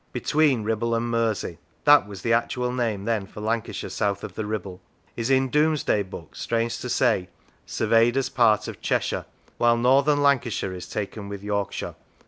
" Between Kibble and Mersey " (that was the actual name then for Lancashire south of the" Kibble) is in Domesday Book, strange to say, surveyed as part of Cheshire; while Northern Lan cashire is taken with Yorkshire.